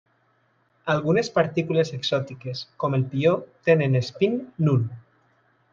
Algunes partícules exòtiques com el pió tenen espín nul.